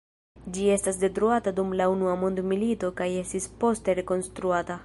Ĝi estis detruata dum la Unua Mondmilito kaj estis poste rekonstruata.